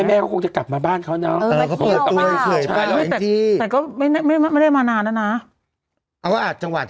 แม่ก็คงจะกลับมาบ้านเขาเนาะ